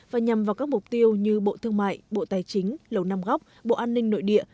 và nhằm vào các mục tiêu như bộ thương mại bộ tài chính lầu nam góc bộ an ninh nội địa